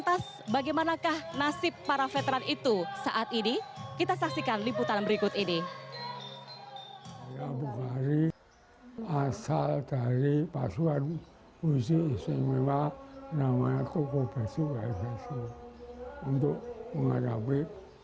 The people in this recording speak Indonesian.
tapi kalau pencegela itu harganya tinggi